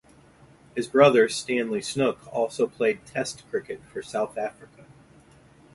His brother, Stanley Snooke, also played Test cricket for South Africa.